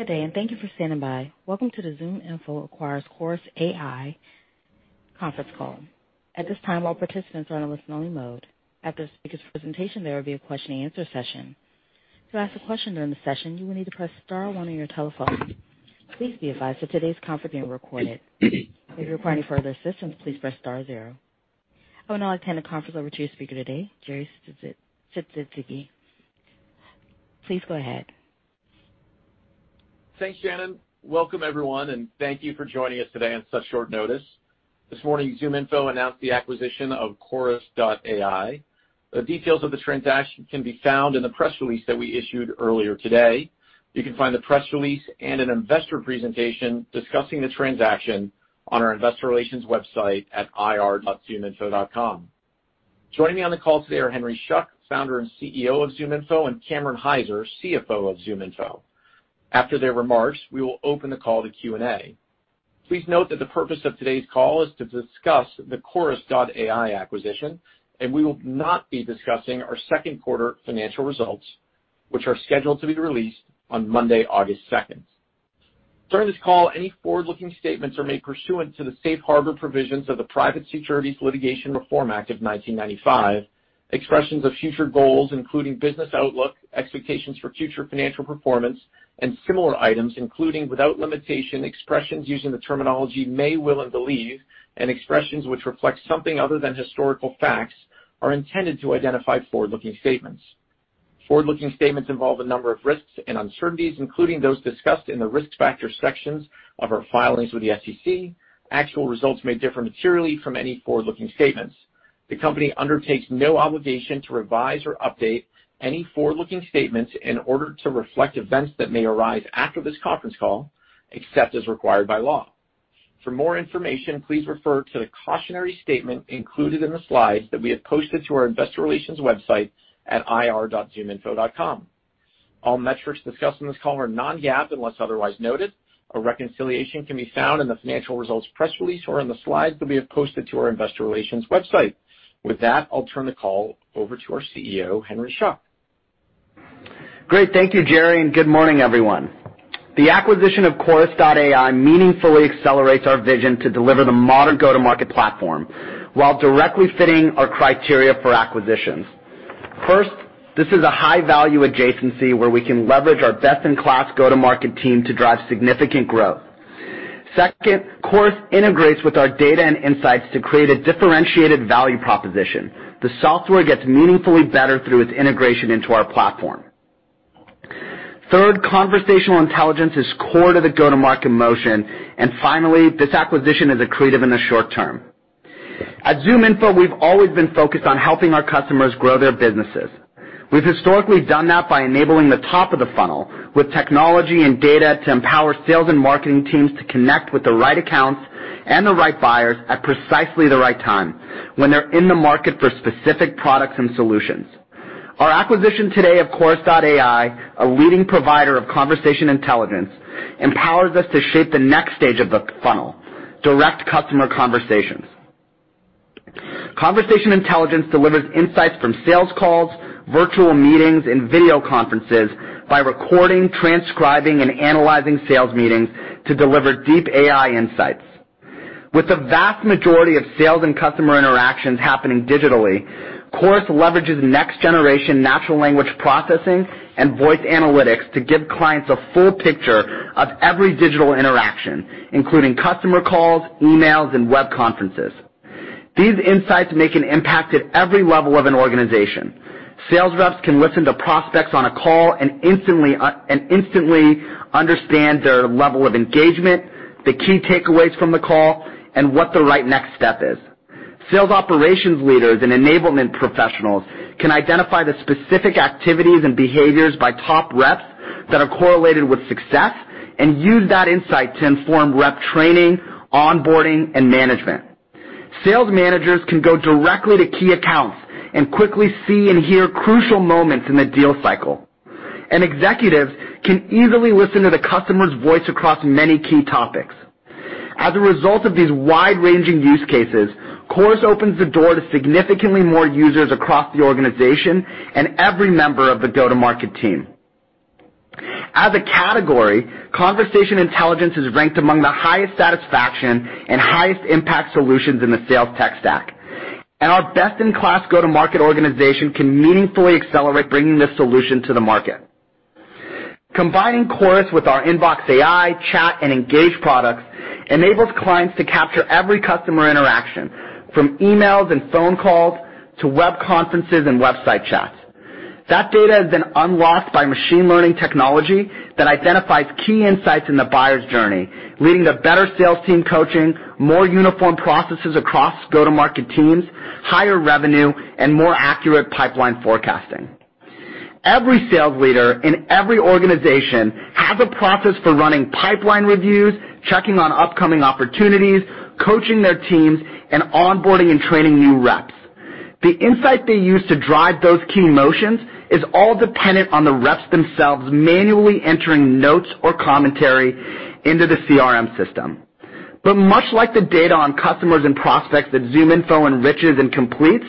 Good day, and thank you for standing by. Welcome to the ZoomInfo acquires Chorus.ai conference call. At this time, all participants are in a listen-only mode. After the speaker's presentation, there will be a question-and-answer session. To ask a question during the session, you will need to press star one on your telephone. Please be advised that today's conference is being recorded. If you require any further assistance, please press star zero. I will now hand the conference over to your speaker today, Jerry Sisitsky. Please go ahead. Thanks, Shannon. Welcome everyone, and thank you for joining us today on such short notice. This morning, ZoomInfo announced the acquisition of Chorus.ai. The details of the transaction can be found in the press release that we issued earlier today. You can find the press release and an investor presentation discussing the transaction on our investor relations website at ir.zoominfo.com. Joining me on the call today are Henry Schuck, founder and CEO of ZoomInfo, and Cameron Hyzer, CFO of ZoomInfo. After their remarks, we will open the call to Q&A. Please note that the purpose of today's call is to discuss the Chorus.ai acquisition, and we will not be discussing our second quarter financial results, which are scheduled to be released on Monday, August 2nd. During this call, any forward-looking statements are made pursuant to the safe harbor provisions of the Private Securities Litigation Reform Act of 1995. Expressions of future goals, including business outlook, expectations for future financial performance, and similar items, including, without limitation, expressions using the terminology may, will, and believe, and expressions which reflect something other than historical facts, are intended to identify forward-looking statements. Forward-looking statements involve a number of risks and uncertainties, including those discussed in the risk factors sections of our filings with the SEC. Actual results may differ materially from any forward-looking statements. The company undertakes no obligation to revise or update any forward-looking statements in order to reflect events that may arise after this conference call, except as required by law. For more information, please refer to the cautionary statement included in the slides that we have posted to our investor relations website at ir.zoominfo.com. All metrics discussed on this call are non-GAAP unless otherwise noted. A reconciliation can be found in the financial results press release or in the slides that we have posted to our investor relations website. With that, I'll turn the call over to our CEO, Henry Schuck. Great. Thank you, Jerry, and good morning, everyone. The acquisition of Chorus.ai meaningfully accelerates our vision to deliver the modern go-to-market platform while directly fitting our criteria for acquisitions. First, this is a high-value adjacency where we can leverage our best-in-class go-to-market team to drive significant growth. Second, Chorus integrates with our data and insights to create a differentiated value proposition. The software gets meaningfully better through its integration into our platform. Third, conversational intelligence is core to the go-to-market motion, and finally, this acquisition is accretive in the short term. At ZoomInfo, we've always been focused on helping our customers grow their businesses. We've historically done that by enabling the top of the funnel with technology and data to empower sales and marketing teams to connect with the right accounts and the right buyers at precisely the right time, when they're in the market for specific products and solutions. Our acquisition today of Chorus.ai, a leading provider of conversation intelligence, empowers us to shape the next stage of the funnel, direct customer conversations. Conversation intelligence delivers insights from sales calls, virtual meetings, and video conferences by recording, transcribing, and analyzing sales meetings to deliver deep AI insights. With the vast majority of sales and customer interactions happening digitally, Chorus leverages next-generation natural language processing and voice analytics to give clients a full picture of every digital interaction, including customer calls, emails, and web conferences. These insights make an impact at every level of an organization. Sales reps can listen to prospects on a call and instantly understand their level of engagement, the key takeaways from the call, and what the right next step is. Sales operations leaders and enablement professionals can identify the specific activities and behaviors by top reps that are correlated with success and use that insight to inform rep training, onboarding, and management. Sales managers can go directly to key accounts and quickly see and hear crucial moments in the deal cycle. Executives can easily listen to the customer's voice across many key topics. As a result of these wide-ranging use cases, Chorus opens the door to significantly more users across the organization and every member of the go-to-market team. As a category, conversation intelligence is ranked among the highest satisfaction and highest impact solutions in the sales tech stack, and our best-in-class go-to-market organization can meaningfully accelerate bringing this solution to the market. Combining Chorus with our InboxAI, Chat, and Engage products enables clients to capture every customer interaction, from emails and phone calls to web conferences and website chats. That data is then unlocked by machine learning technology that identifies key insights in the buyer's journey, leading to better sales team coaching, more uniform processes across go-to-market teams, higher revenue, and more accurate pipeline forecasting. Every sales leader in every organization has a process for running pipeline reviews, checking on upcoming opportunities, coaching their teams, and onboarding and training new reps. The insight they use to drive those key motions is all dependent on the reps themselves manually entering notes or commentary into the CRM system. Much like the data on customers and prospects that ZoomInfo enriches and completes,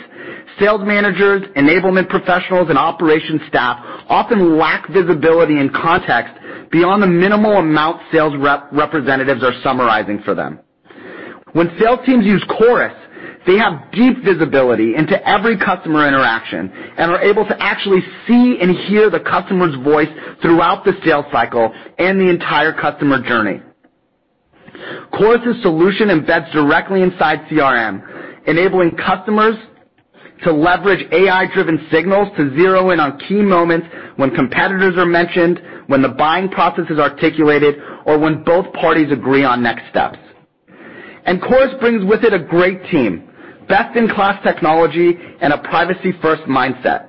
sales managers, enablement professionals, and operations staff often lack visibility and context beyond the minimal amount sales representatives are summarizing for them. When sales teams use Chorus, they have deep visibility into every customer interaction and are able to actually see and hear the customer's voice throughout the sales cycle and the entire customer journey. Chorus' solution embeds directly inside CRM, enabling customers to leverage AI-driven signals to zero in on key moments when competitors are mentioned, when the buying process is articulated, or when both parties agree on next steps. Chorus brings with it a great team, best-in-class technology, and a privacy-first mindset.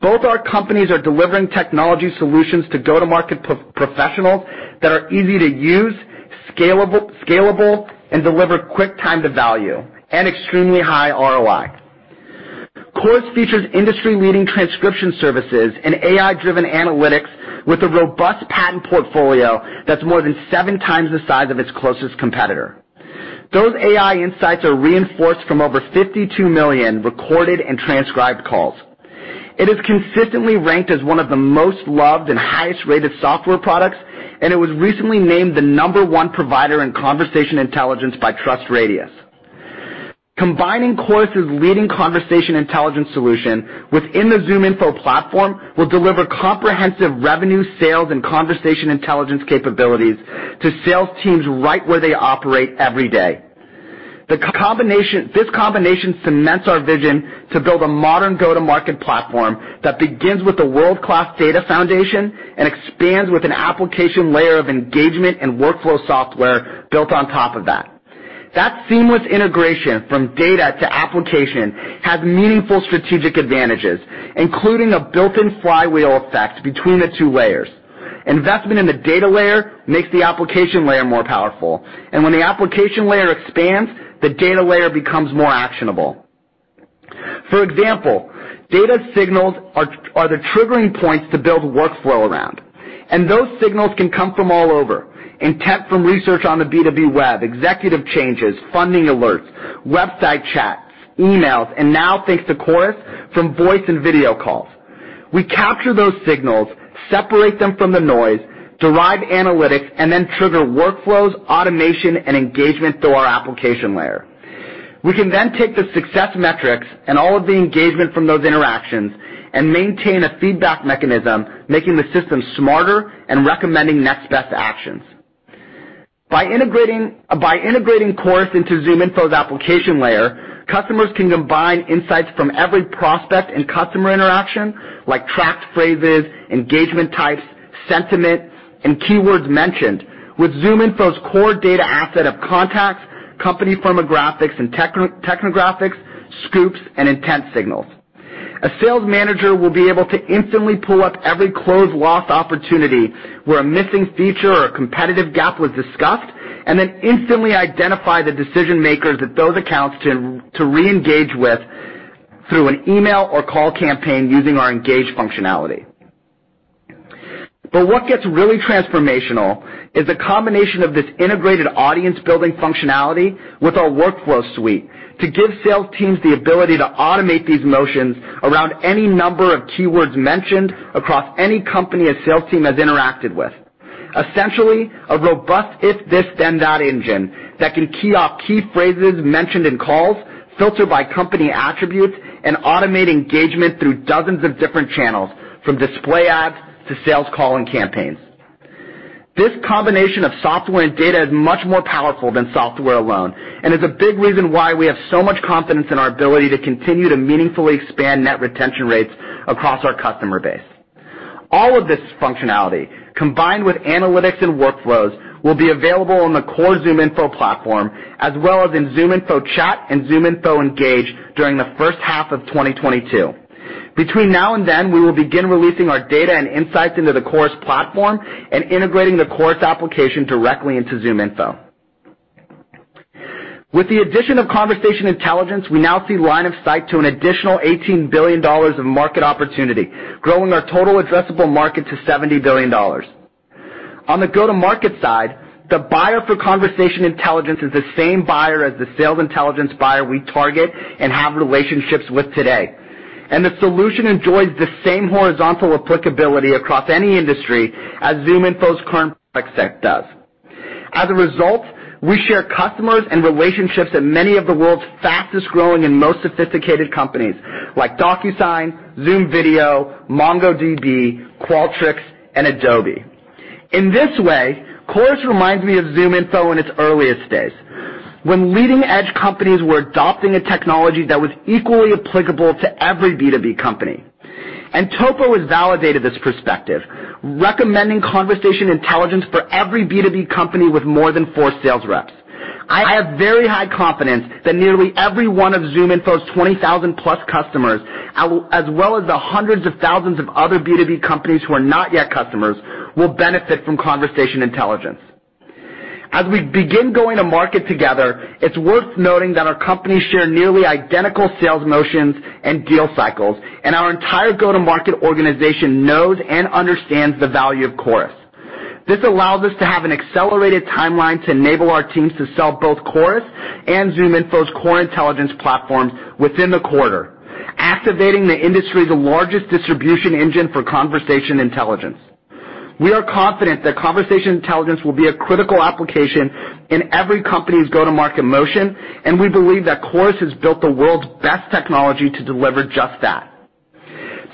Both our companies are delivering technology solutions to go-to-market professionals that are easy to use, scalable, and deliver quick time to value, and extremely high ROI. Chorus features industry-leading transcription services and AI-driven analytics with a robust patent portfolio that's more than seven times the size of its closest competitor. Those AI insights are reinforced from over 52 million recorded and transcribed calls. It is consistently ranked as one of the most loved and highest-rated software products. It was recently named the number one provider in conversation intelligence by TrustRadius. Combining Chorus' leading conversation intelligence solution within the ZoomInfo platform will deliver comprehensive revenue, sales, and conversation intelligence capabilities to sales teams right where they operate every day. This combination cements our vision to build a modern go-to-market platform that begins with a world-class data foundation and expands with an application layer of engagement and workflow software built on top of that. That seamless integration from data to application has meaningful strategic advantages, including a built-in flywheel effect between the two layers. Investment in the data layer makes the application layer more powerful, and when the application layer expands, the data layer becomes more actionable. For example, data signals are the triggering points to build workflow around, and those signals can come from all over. Intent from research on the B2B web, executive changes, funding alerts, website chats, emails, and now, thanks to Chorus, from voice and video calls. We capture those signals, separate them from the noise, derive analytics, and then trigger workflows, automation, and engagement through our application layer. We can then take the success metrics and all of the engagement from those interactions and maintain a feedback mechanism, making the system smarter and recommending next best actions. By integrating Chorus into ZoomInfo's application layer, customers can combine insights from every prospect and customer interaction, like tracked phrases, engagement types, sentiment, and keywords mentioned with ZoomInfo's core data asset of contacts, company firmographics and technographics, Scoops, and intent signals. A sales manager will be able to instantly pull up every closed lost opportunity where a missing feature or a competitive gap was discussed, and then instantly identify the decision-makers at those accounts to re-engage with through an email or call campaign using our Engage functionality. What gets really transformational is the combination of this integrated audience building functionality with our workflow suite to give sales teams the ability to automate these motions around any number of keywords mentioned across any company a sales team has interacted with. Essentially, a robust if-this-then-that engine that can key off key phrases mentioned in calls, filter by company attributes, and automate engagement through dozens of different channels, from display ads to sales calling campaigns. This combination of software and data is much more powerful than software alone and is a big reason why we have so much confidence in our ability to continue to meaningfully expand net retention rates across our customer base. All of this functionality, combined with analytics and workflows, will be available on the core ZoomInfo platform, as well as in ZoomInfo Chat and ZoomInfo Engage during the first half of 2022. Between now and then, we will begin releasing our data and insights into the Chorus platform and integrating the Chorus application directly into ZoomInfo. With the addition of conversation intelligence, we now see line of sight to an additional $18 billion of market opportunity, growing our total addressable market to $70 billion. On the go-to-market side, the buyer for conversation intelligence is the same buyer as the sales intelligence buyer we target and have relationships with today. The solution enjoys the same horizontal applicability across any industry as ZoomInfo's current tech stack does. As a result, we share customers and relationships at many of the world's fastest-growing and most sophisticated companies, like DocuSign, Zoom Video, MongoDB, Qualtrics, and Adobe. In this way, Chorus reminds me of ZoomInfo in its earliest days when leading-edge companies were adopting a technology that was equally applicable to every B2B company. TOPO has validated this perspective, recommending conversation intelligence for every B2B company with more than four sales reps. I have very high confidence that nearly every one of ZoomInfo's 20,000+ customers, as well as the hundreds of thousands of other B2B companies who are not yet customers, will benefit from conversation intelligence. As we begin going to market together, it's worth noting that our companies share nearly identical sales motions and deal cycles, and our entire go-to-market organization knows and understands the value of Chorus. This allows us to have an accelerated timeline to enable our teams to sell both Chorus and ZoomInfo's core intelligence platforms within the quarter, activating the industry's largest distribution engine for conversation intelligence. We are confident that conversation intelligence will be a critical application in every company's go-to-market motion, and we believe that Chorus has built the world's best technology to deliver just that.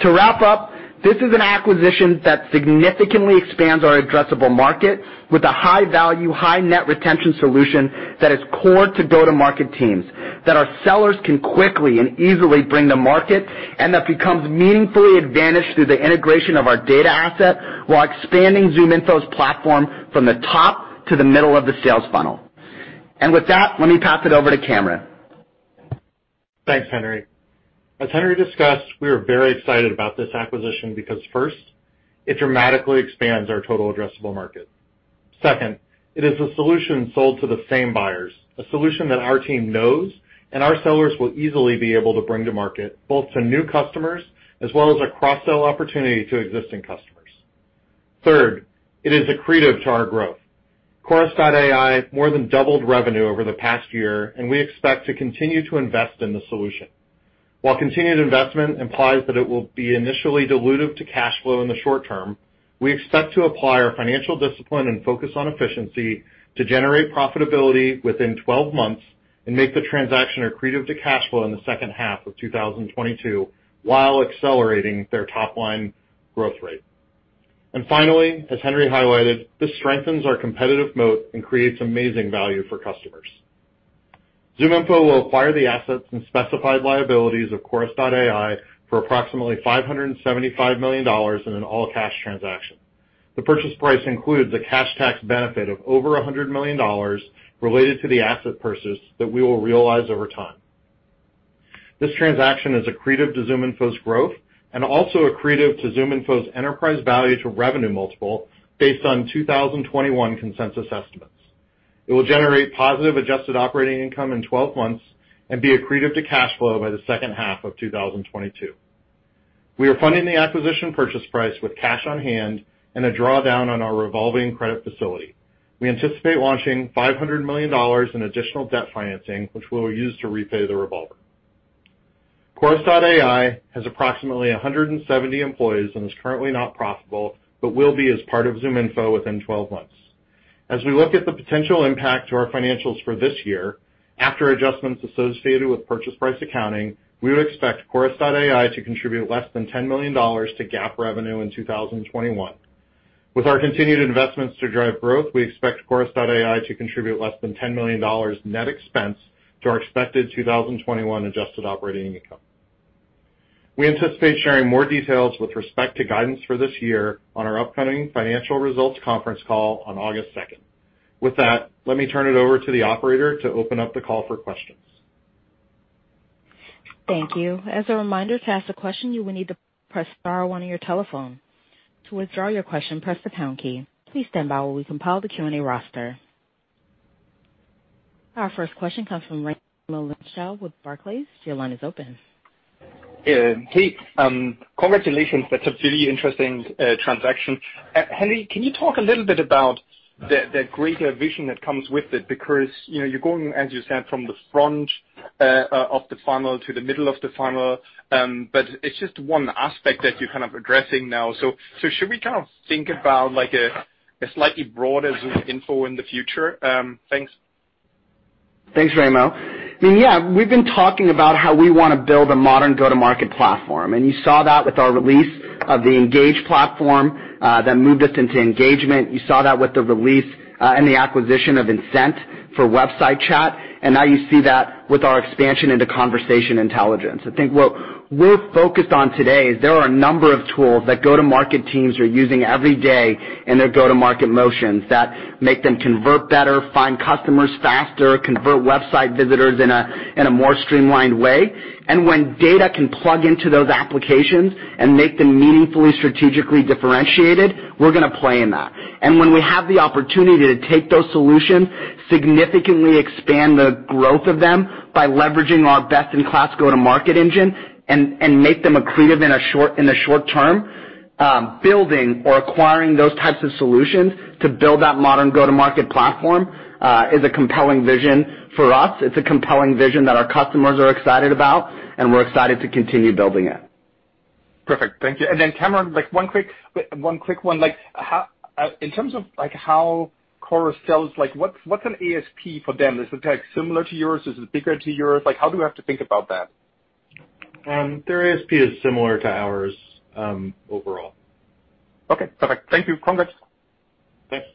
To wrap up, this is an acquisition that significantly expands our addressable market with a high-value, high net-retention solution that is core to go-to-market teams, that our sellers can quickly and easily bring to market, and that becomes meaningfully advantaged through the integration of our data asset while expanding ZoomInfo's platform from the top to the middle of the sales funnel. With that, let me pass it over to Cameron. Thanks, Henry. As Henry discussed, we are very excited about this acquisition because first, it dramatically expands our total addressable market. Second, it is a solution sold to the same buyers, a solution that our team knows and our sellers will easily be able to bring to market, both to new customers as well as a cross-sell opportunity to existing customers. Third, it is accretive to our growth. Chorus.ai has more than doubled revenue over the past year. We expect to continue to invest in the solution. While continued investment implies that it will be initially dilutive to cash flow in the short term, we expect to apply our financial discipline and focus on efficiency to generate profitability within 12 months and make the transaction accretive to cash flow in the second half of 2022 while accelerating their top-line growth rate. Finally, as Henry highlighted, this strengthens our competitive moat and creates amazing value for customers. ZoomInfo will acquire the assets and specified liabilities of Chorus.ai for approximately $575 million in an all-cash transaction. The purchase price includes a cash tax benefit of over $100 million related to the asset purchase that we will realize over time. This transaction is accretive to ZoomInfo's growth and also accretive to ZoomInfo's enterprise value to revenue multiple based on 2021 consensus estimates. It will generate positive adjusted operating income in 12 months and be accretive to cash flow by the second half of 2022. We are funding the acquisition purchase price with cash on hand and a drawdown on our revolving credit facility. We anticipate launching $500 million in additional debt financing, which we'll use to repay the revolver. Chorus.ai has approximately 170 employees and is currently not profitable, but will be as part of ZoomInfo within 12 months. As we look at the potential impact to our financials for this year, after adjustments associated with purchase price accounting, we expect Chorus.ai to contribute less than $10 million to GAAP revenue in 2021. With our continued investments to drive growth, we expect Chorus.ai to contribute less than $10 million net expense to our expected 2021 adjusted operating income. We anticipate sharing more details with respect to guidance for this year on our upcoming financial results conference call on August 2nd. With that, let me turn it over to the operator to open up the call for questions. Thank you. As a reminder, to ask a question, you will need to press star one on your telephone. To withdraw your question, press the pound key. Please stand by while we compile the Q&A roster. Our first question comes from Raimo Lenschow with Barclays. Your line is open. Hey. Congratulations. That's a really interesting transaction. Henry, can you talk a little bit about the greater vision that comes with it? You're going, as you said, from the front of the funnel to the middle of the funnel. It's just one aspect that you're addressing now. Should we think about a slightly broader ZoomInfo in the future? Thanks. Thanks, Raimo. Yeah. We've been talking about how we want to build a modern go-to-market platform, and you saw that with our release of the Engage platform that moved us into engagement. You saw that with the release and the acquisition of Insent for website chat, and now you see that with our expansion into conversation intelligence. I think what we're focused on today is there are a number of tools that go-to-market teams are using every day in their go-to-market motions that make them convert better, find customers faster, convert website visitors in a more streamlined way. When data can plug into those applications and make them meaningfully strategically differentiated, we're going to play in that. When we have the opportunity to take those solutions, significantly expand the growth of them by leveraging our best-in-class go-to-market engine, and make them accretive in the short term, building or acquiring those types of solutions to build that modern go-to-market platform is a compelling vision for us. It's a compelling vision that our customers are excited about, and we're excited to continue building it. Perfect. Thank you. Then Cameron, one quick one. In terms of how Chorus sells, what's an ASP for them? Is it similar to yours? Is it bigger to yours? How do we have to think about that? Their ASP is similar to ours overall. Okay. Perfect. Thank you. Congrats. Thanks.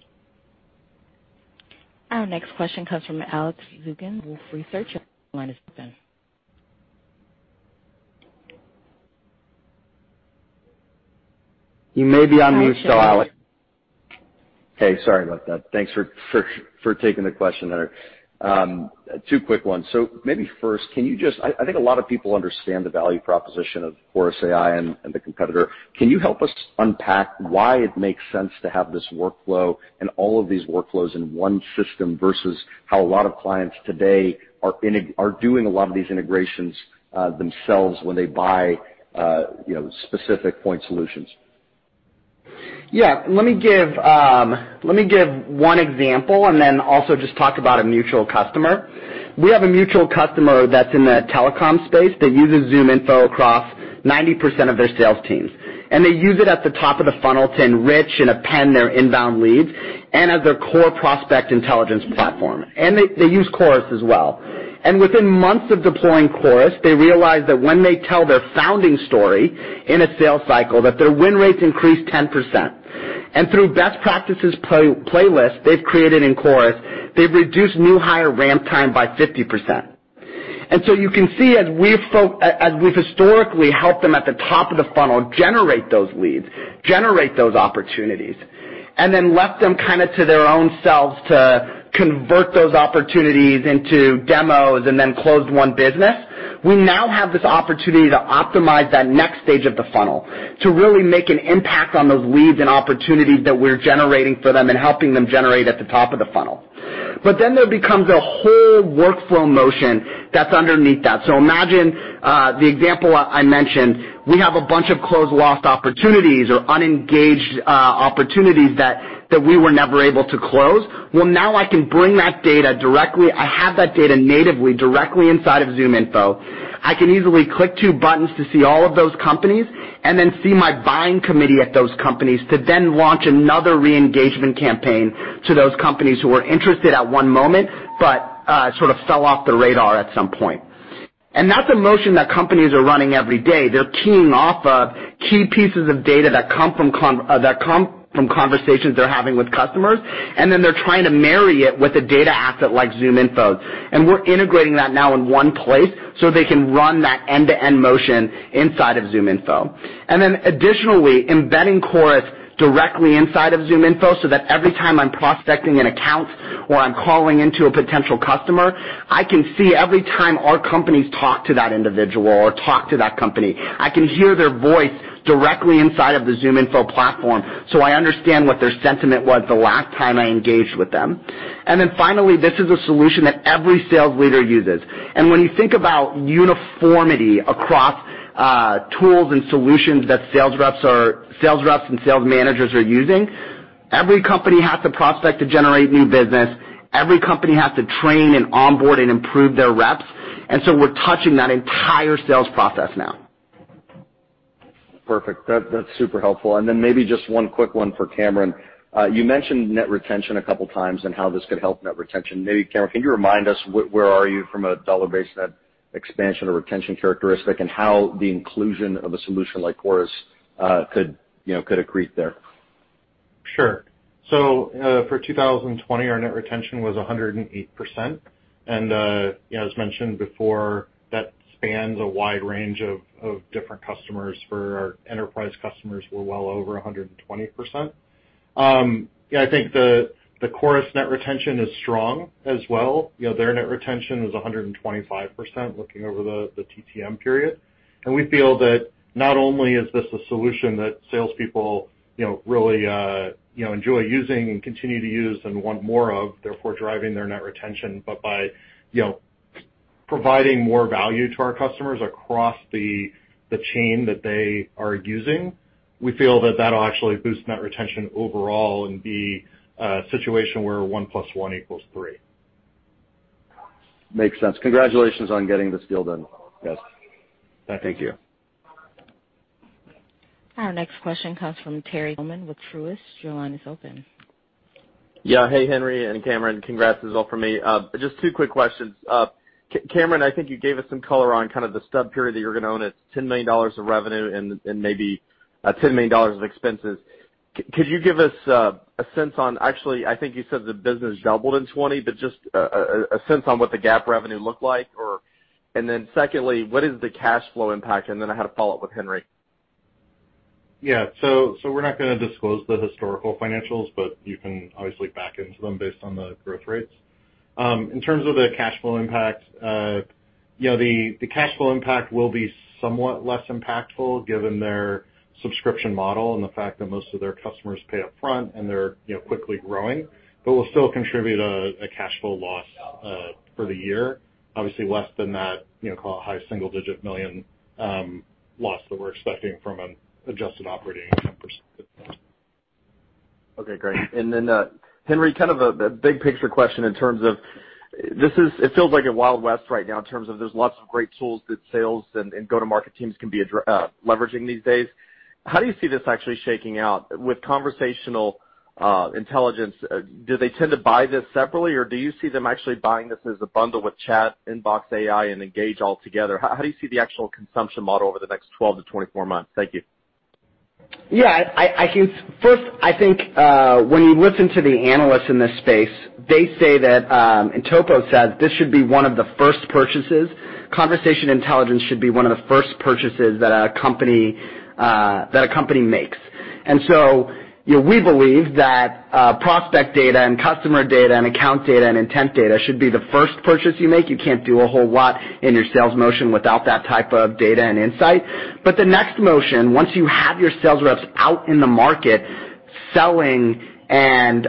Our next question comes from Alex Zukin with Wolfe Research. Your line is open. You may be on mute still, Alex. Okay, sorry about that. Thanks for taking the question there. Two quick ones. Maybe first, I think a lot of people understand the value proposition of Chorus.ai and the competitor. Can you help us unpack why it makes sense to have this workflow and all of these workflows in one system versus how a lot of clients today are doing a lot of these integrations themselves when they buy specific point solutions? Yeah. Let me give one example and then also just talk about a mutual customer. We have a mutual customer that's in the telecom space that uses ZoomInfo across 90% of their sales teams, and they use it at the top of the funnel to enrich and append their inbound leads and as their core prospect intelligence platform. They use Chorus as well. Within months of deploying Chorus, they realized that when they tell their founding story in a sales cycle, that their win rates increase 10%. Through best practices playlist they've created in Chorus, they've reduced new hire ramp time by 50%. You can see, as we've historically helped them at the top of the funnel, generate those leads, generate those opportunities, and then left them to their own selves to convert those opportunities into demos and then closed won business, we now have this opportunity to optimize that next stage of the funnel to really make an impact on those leads and opportunities that we're generating for them and helping them generate at the top of the funnel. There becomes a whole workflow motion that's underneath that. Imagine, the example I mentioned, we have a bunch of closed lost opportunities or unengaged opportunities that we were never able to close. Well, now I can bring that data directly. I have that data natively, directly inside of ZoomInfo. I can easily click two buttons to see all of those companies and then see my buying committee at those companies to then launch another re-engagement campaign to those companies who were interested at one moment but sort of fell off the radar at some point. That's a motion that companies are running every day. They're keying off of key pieces of data that come from conversations they're having with customers, and then they're trying to marry it with a data asset like ZoomInfo's. We're integrating that now in one place so they can run that end-to-end motion inside of ZoomInfo. Additionally, embedding Chorus directly inside of ZoomInfo so that every time I'm prospecting an account or I'm calling into a potential customer, I can see every time our companies talk to that individual or talk to that company. I can hear their voice directly inside of the ZoomInfo platform, so I understand what their sentiment was the last time I engaged with them. Finally, this is a solution that every sales leader uses. When you think about uniformity across tools and solutions that sales reps and sales managers are using, every company has to prospect to generate new business. Every company has to train and onboard and improve their reps. We're touching that entire sales process now. Perfect. That's super helpful. Then maybe just one quick one for Cameron. You mentioned net retention a couple of times and how this could help net retention. Maybe, Cameron, can you remind us where are you from a dollar-based net expansion or retention characteristic and how the inclusion of a solution like Chorus could accrete there? Sure. For 2020, our net retention was 108%. As mentioned before, that spans a wide range of different customers, for our enterprise customers were well over 120%. I think the Chorus net retention is strong as well. Their net retention was 125% looking over the TTM period. We feel that not only is this a solution that salespeople really enjoy using and continue to use and want more of, therefore, driving their net retention. By providing more value to our customers across the chain that they are using, we feel that that'll actually boost net retention overall and be a situation where one plus one equals three. Makes sense. Congratulations on getting this deal done, guys. Thank you. Our next question comes from Terry Tillman with Truist. Your line is open. Yeah. Hey, Henry and Cameron. Congrats as well from me. Just two quick questions. Cameron, I think you gave us some color on the stub period that you're going to own at $10 million of revenue and maybe $10 million of expenses. Could you give us a sense on, actually, I think you said the business doubled in 2020, but just a sense on what the GAAP revenue looked like. Secondly, what is the cash flow impact? I had a follow-up with Henry. Yeah. We're not going to disclose the historical financials, you can obviously back into them based on the growth rates. In terms of the cash flow impact, the cash flow impact will be somewhat less impactful given their subscription model and the fact that most of their customers pay upfront and they're quickly growing. We'll still contribute a cash flow loss for the year, obviously less than that high single-digit million loss that we're expecting from an adjusted operating income perspective. Okay, great. Henry, kind of a big picture question in terms of, it feels like a wild west right now in terms of there's lots of great tools that sales and go-to-market teams can be leveraging these days. How do you see this actually shaking out with conversational intelligence, do they tend to buy this separately, or do you see them actually buying this as a bundle with chat, InboxAI, and Engage all together? How do you see the actual consumption model over the next 12 to 24 months? Thank you. First, I think, when you listen to the analysts in this space, they say that, TOPO says this should be one of the first purchases. Conversation intelligence should be one of the first purchases that a company makes. We believe that prospect data and customer data and account data and intent data should be the first purchase you make. You can't do a whole lot in your sales motion without that type of data and insight. The next motion, once you have your sales reps out in the market selling and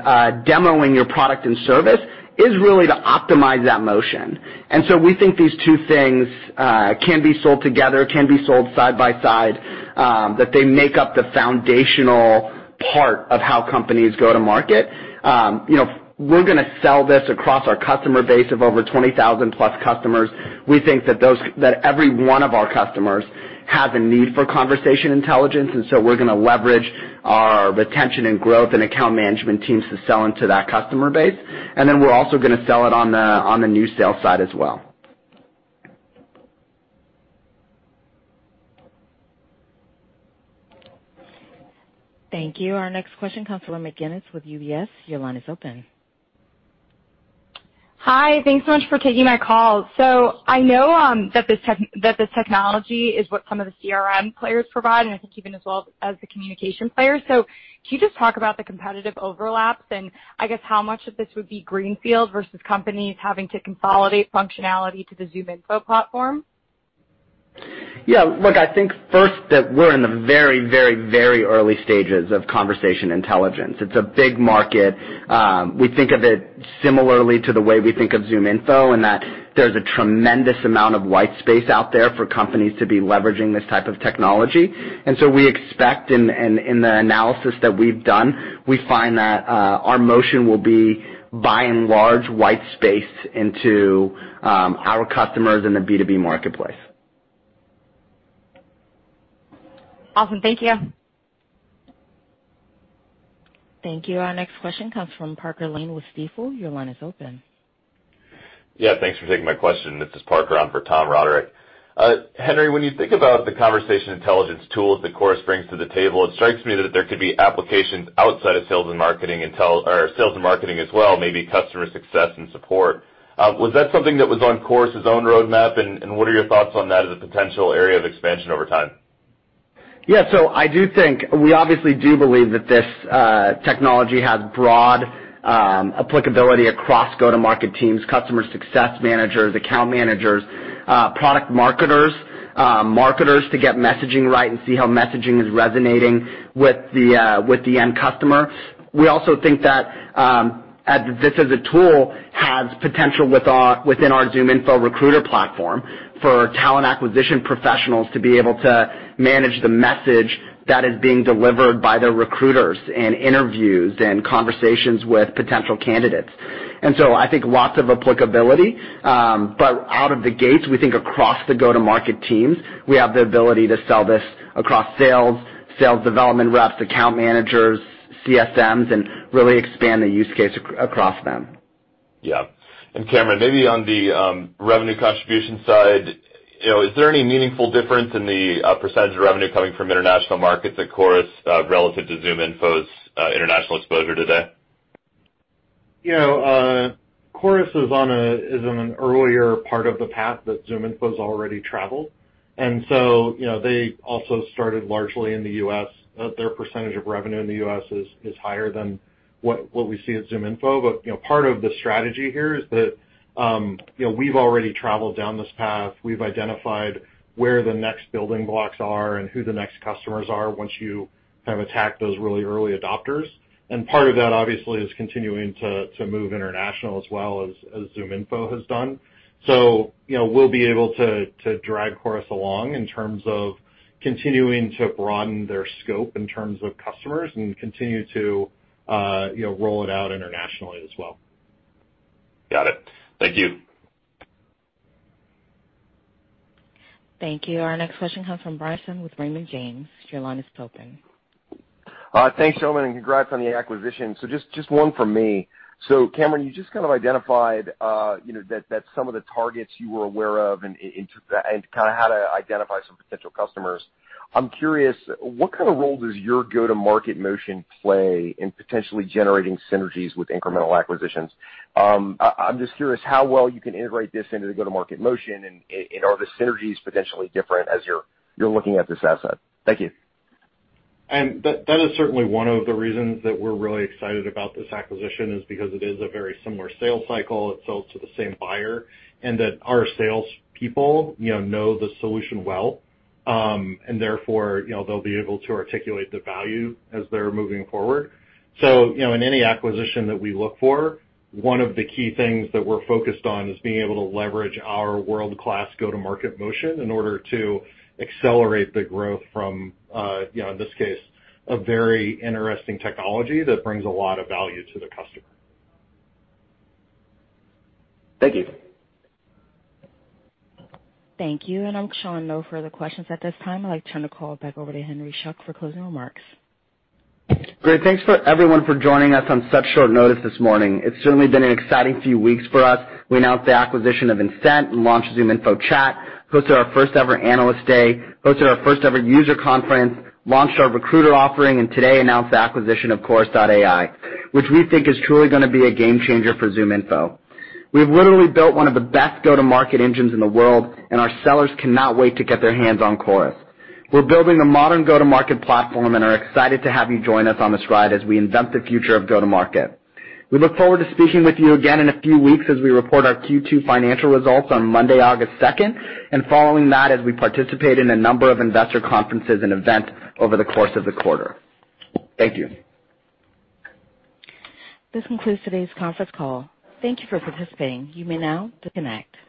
demoing your product and service is really to optimize that motion. We think these two things can be sold together, can be sold side by side, that they make up the foundational part of how companies go to market. We're going to sell this across our customer base of over 20,000+ customers. We think that every one of our customers have a need for conversation intelligence. We're going to leverage our retention and growth and account management teams to sell into that customer base. We're also going to sell it on the new sales side as well. Thank you. Our next question comes from McGinnis with UBS. Your line is open. Hi. Thanks so much for taking my call. I know that this technology is what some of the CRM players provide, and I think even as well as the communication players. Can you just talk about the competitive overlaps and, I guess, how much of this would be greenfield versus companies having to consolidate functionality to the ZoomInfo platform? Yeah. Look, I think first that we're in the very early stages of conversation intelligence. It's a big market. We think of it similarly to the way we think of ZoomInfo in that there's a tremendous amount of white space out there for companies to be leveraging this type of technology. We expect in the analysis that we've done, we find that our motion will be by and large white space into our customers in the B2B marketplace. Awesome. Thank you. Thank you. Our next question comes from Parker Lane with Stifel. Your line is open. Yeah, thanks for taking my question. This is Parker on for Tom Roderick. Henry, when you think about the conversation intelligence tools that Chorus brings to the table, it strikes me that there could be applications outside of sales and marketing intel or sales and marketing as well, maybe customer success and support. Was that something that was on Chorus' own roadmap? What are your thoughts on that as a potential area of expansion over time? Yeah. I do think we obviously do believe that this technology has broad applicability across go-to-market teams, customer success managers, account managers, product marketers to get messaging right and see how messaging is resonating with the end customer. We also think that this as a tool has potential within our ZoomInfo Recruiter platform for talent acquisition professionals to be able to manage the message that is being delivered by their recruiters in interviews and conversations with potential candidates. I think lots of applicability. Out of the gates, we think across the go-to-market teams, we have the ability to sell this across sales development reps, account managers, CSMs, and really expand the use case across them. Yeah. Cameron, maybe on the revenue contribution side, is there any meaningful difference in the percentage of revenue coming from international markets at Chorus, relative to ZoomInfo's international exposure today? Yeah. Chorus is on an earlier part of the path that ZoomInfo's already traveled. They also started largely in the U.S. Their percentage of revenue in the U.S. is higher than what we see at ZoomInfo. Part of the strategy here is that we've already traveled down this path. We've identified where the next building blocks are and who the next customers are once you have attacked those really early adopters. Part of that obviously is continuing to move international as well as ZoomInfo has done. We'll be able to drag Chorus along in terms of continuing to broaden their scope in terms of customers and continue to roll it out internationally as well. Got it. Thank you. Thank you. Our next question comes from Brian Peterson with Raymond James. Thanks, gentlemen, congrats on the acquisition. Just one from me. Cameron, you just kind of identified that some of the targets you were aware of and kind of how to identify some potential customers. I'm curious, what kind of role does your go-to-market motion play in potentially generating synergies with incremental acquisitions? I'm just curious how well you can integrate this into the go-to-market motion, and are the synergies potentially different as you're looking at this asset? Thank you. That is certainly one of the reasons that we're really excited about this acquisition is because it is a very similar sales cycle. It sells to the same buyer, and that our salespeople know the solution well. Therefore, they'll be able to articulate the value as they're moving forward. In any acquisition that we look for, one of the key things that we're focused on is being able to leverage our world-class go-to-market motion in order to accelerate the growth from, in this case, a very interesting technology that brings a lot of value to the customer. Thank you. Thank you. I'm showing no further questions at this time. I'd like to turn the call back over to Henry Schuck for closing remarks. Great. Thanks for everyone for joining us on such short notice this morning. It's certainly been an exciting few weeks for us. We announced the acquisition of Insent and launched ZoomInfo Chat, hosted our first-ever Analyst Day, hosted our first-ever user conference, launched our recruiter offering, and today announced the acquisition of Chorus.ai, which we think is truly going to be a game changer for ZoomInfo. We've literally built one of the best go-to-market engines in the world, and our sellers cannot wait to get their hands on Chorus. We're building a modern go-to-market platform and are excited to have you join us on this ride as we invent the future of go-to-market. We look forward to speaking with you again in a few weeks as we report our Q2 financial results on Monday, August 2nd, and following that as we participate in a number of investor conferences and events over the course of the quarter. Thank you. This concludes today's conference call. Thank you for participating. You may now disconnect.